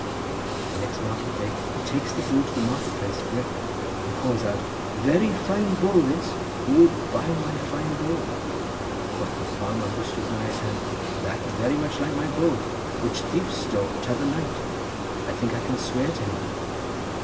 The next market day he takes the bull to the market place at Brecon and calls out: 'Very fine bull this, who will buy my fine bull?' Quoth the farmer who stood nigh at hand, 'That very much like my bull, which thief stole t'other night; I think I can swear to him.